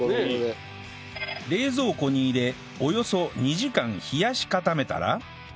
冷蔵庫に入れおよそ２時間冷やし固めたら